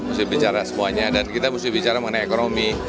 mesti bicara semuanya dan kita mesti bicara mengenai ekonomi